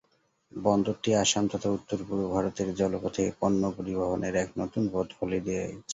বন্দরটি আসাম তথা উত্তর-পূর্ব ভারতের জলপথে পন্য পরিবহনের এক নতুন পথ খোলে দিয়েছে।